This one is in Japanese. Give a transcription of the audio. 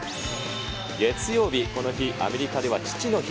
月曜日、この日、アメリカでは父の日。